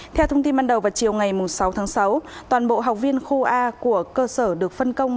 theo thông tin ban đầu vào chiều ngày sáu tháng sáu toàn bộ học viên khu a của cơ sở được phân công